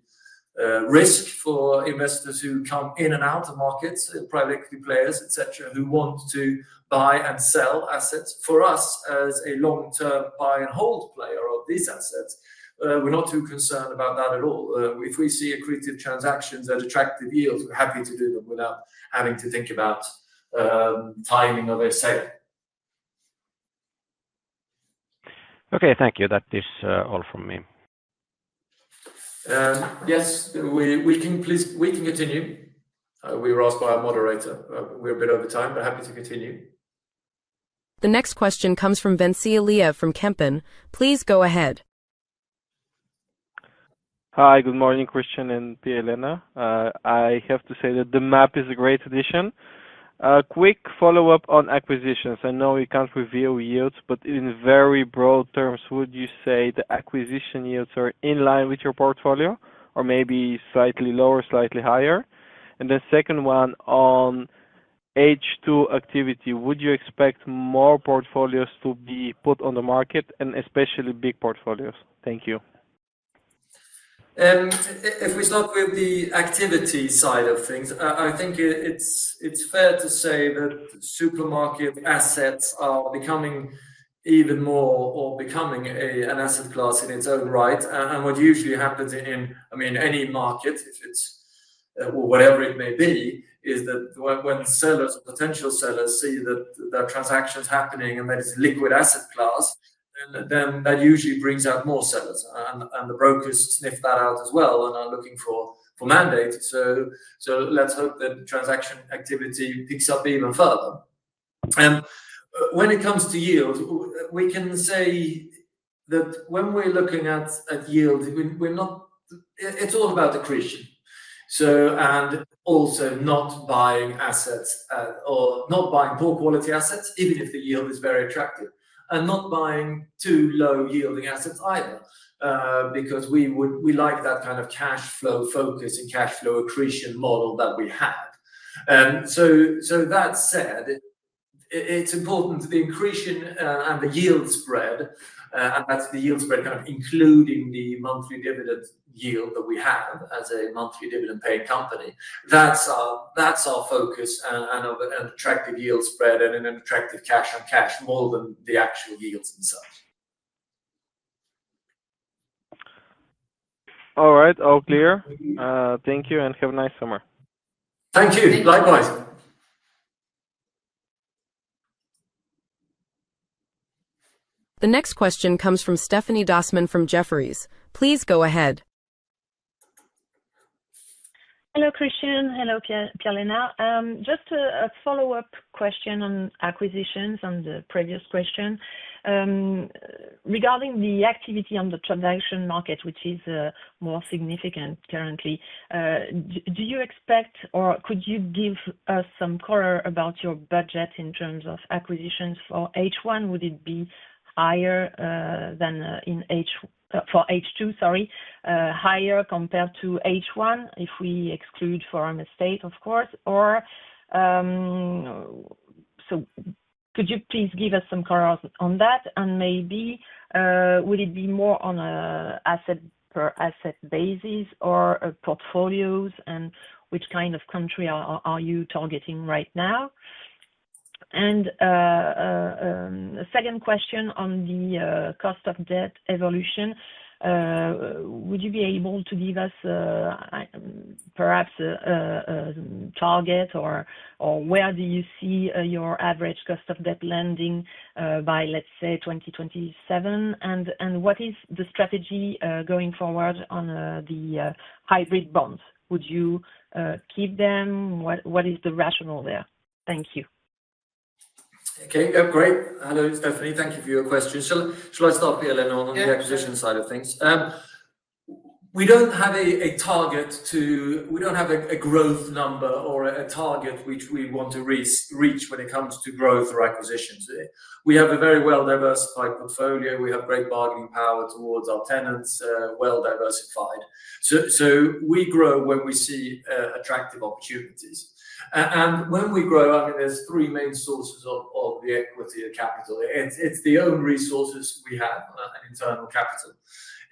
risk for investors who come in and out of markets, private equity players, etc., who want to buy and sell assets. For us, as a long-term buy and hold player of these assets, we're not too concerned about that at all. If we see accretive transactions at attractive yields, we're happy to do them without having to think about timing of their sale. Okay, thank you. That is all from me. Yes, we can continue. We were asked by a moderator. We're a bit over time, but happy to continue. The next question comes from Vencel from Kempen. Please go ahead. Hi, good morning, Christian and Pia-Lena. I have to say that the map is a great addition. A quick follow-up on acquisitions. I know we can't reveal yields, but in very broad terms, would you say the acquisition yields are in line with your portfolio or maybe slightly lower, slightly higher? The second one on H2 activity, would you expect more portfolios to be put on the market and especially big portfolios? Thank you. If we start with the activity side of things, I think it's fair to say that supermarket assets are becoming even more or becoming an asset class in its own right. What usually happens in, I mean, any market, if it's or whatever it may be, is that when potential sellers see that their transaction is happening and that it's a liquid asset class, that usually brings out more sellers. The brokers sniff that out as well and are looking for mandates. Let's hope the transaction activity picks up even further. When it comes to yields, we can say that when we're looking at yield, it's all about accretion. Also, not buying assets or not buying poor quality assets, even if the yield is very attractive, and not buying too low yielding assets either, because we like that kind of cash flow focus and cash flow accretion model that we had. That said, it's important, the increase in the yield spread, and that's the yield spread kind of including the monthly dividend yield that we have as a monthly dividend paying company. That's our focus and an attractive yield spread and an attractive cash-out cash more than the actual yields themselves. All right, all clear. Thank you and have a nice summer. Thank you. Likewise. The next question comes from Stéphanie Dossman from Jefferies. Please go ahead. Hello, Christian. Hello, Pia-Lena. Just a follow-up question on acquisitions on the previous question. Regarding the activity on the transaction market, which is more significant currently, do you expect or could you give us some color about your budget in terms of acquisitions for H1? Would it be higher than in H2, sorry, higher compared to H1 if we exclude Forum Estates, of course? Could you please give us some colors on that? Maybe would it be more on an asset-per-asset basis or portfolios? Which kind of country are you targeting right now? Second question on the cost of debt evolution. Would you be able to give us perhaps a target or where do you see your average cost of debt landing by, let's say, 2027? What is the strategy going forward on the hybrid bonds? Would you keep them? What is the rationale there? Thank you. Okay, great. Hello Stéphanie. Thank you for your question. Should I start, Pia-Lena, on the acquisition side of things? We don't have a target to, we don't have a growth number or a target which we want to reach when it comes to growth or acquisitions. We have a very well-diversified portfolio. We have great bargaining power towards our tenants, well-diversified. We grow when we see attractive opportunities. When we grow, I mean, there's three main sources of the equity and capital. It's the own resources we have and internal capital.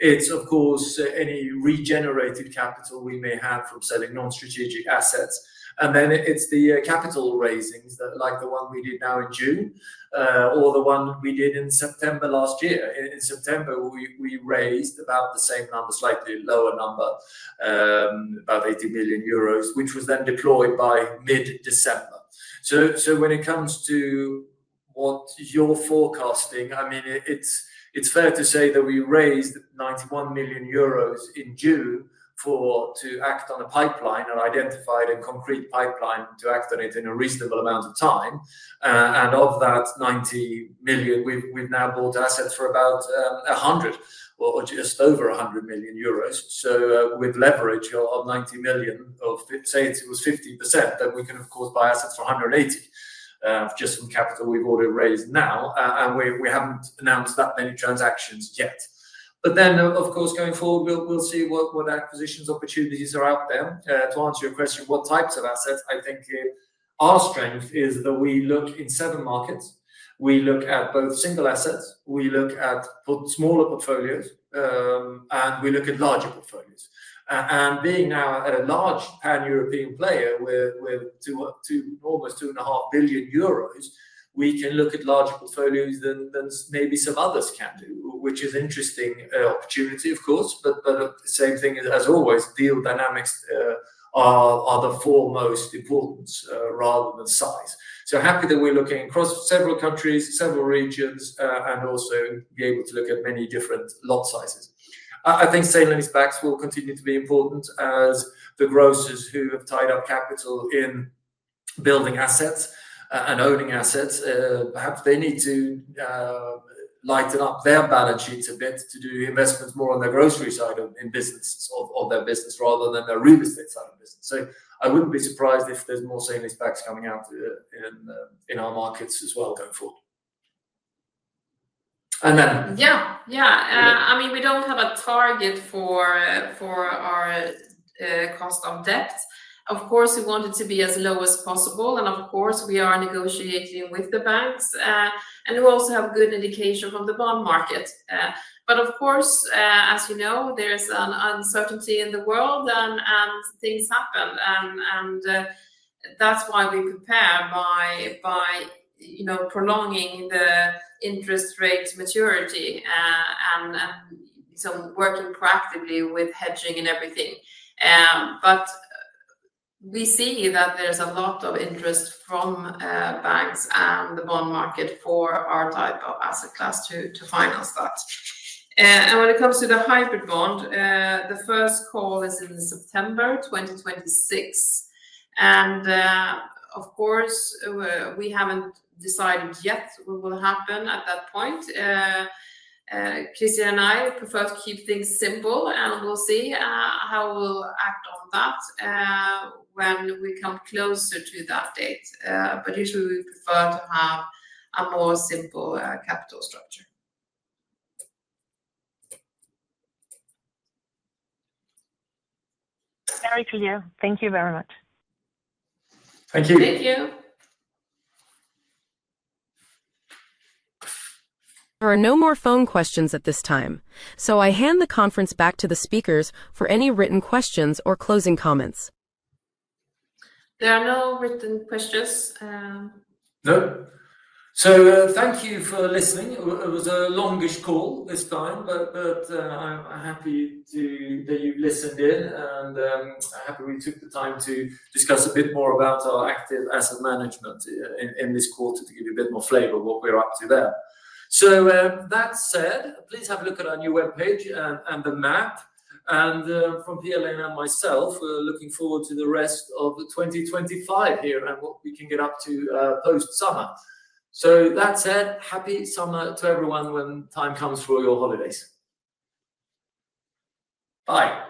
It's, of course, any regenerated capital we may have from selling non-strategic assets. Then it's the capital raisings, like the one we did now in June, or the one we did in September last year. In September, we raised about the same number, slightly lower number, about 80 million euros, which was then deployed by mid-December. When it comes to what you're forecasting, I mean, it's fair to say that we raised 91 million euros in June to act on a pipeline and identified a concrete pipeline to act on it in a reasonable amount of time. Of that 90 million, we've now bought assets for about 100 million or just over 100 million euros. With leverage of 90 million, say it was 50%, then we can, of course, buy assets for 180 million just from capital we've already raised now. We've. that many transactions yet. Of course, going forward, we'll see what acquisitions opportunities are out there. To answer your question, what types of assets I think are strengths is that we look in seven markets. We look at both single assets, we look at smaller portfolios, and we look at larger portfolios. Being now a large pan-European player with almost 2.5 billion euros, we can look at larger portfolios than maybe some others can do, which is an interesting opportunity, of course. The same thing as always, deal dynamics are the foremost importance rather than size. Happy that we're looking across several countries, several regions, and also be able to look at many different lot sizes. I think sale and leasebacks will continue to be important as the grocers who have tied up capital in building assets and owning assets, perhaps they need to lighten up their balance sheets a bit to do the investments more on the grocery side of their business rather than the real estate side of business. I wouldn't be surprised if there's more sale and leasebacks coming out in our markets as well going forward. And then... Yeah, I mean, we don't have a target for our cost of debt. Of course, we want it to be as low as possible. Of course, we are negotiating with the banks. We also have good indication of the bond market. As you know, there's an uncertainty in the world and things happen. That's why we prepare by prolonging the interest rate maturity and working proactively with hedging and everything. We see that there's a lot of interest from banks and the bond market for our type of asset class to finance that. When it comes to the hybrid bond, the first call is in September 2026. We haven't decided yet what will happen at that point. Christian and I prefer to keep things simple and we'll see how we'll act on that when we come closer to that date. Usually, we prefer to have a more simple capital structure. Very clear. Thank you very much. Thank you. Thank you. There are no more phone questions at this time. I hand the conference back to the speakers for any written questions or closing comments. There are no written questions. Thank you for listening. It was a longish call this time, but I'm happy that you listened in and I'm happy we took the time to discuss a bit more about our active asset management in this quarter to give you a bit more flavor of what we're up to there. That said, please have a look at our new web page and the map. From Pia-Lena and myself, we're looking forward to the rest of 2025 here and what we can get up to post-summer. That said, happy summer to everyone when time comes for your holidays. Bye.